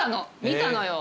見たのよ。